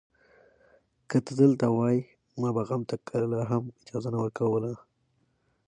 که ته دلته وای، ما به غم ته کله هم اجازه نه ورکوله.